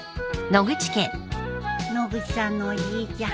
野口さんのおじいちゃん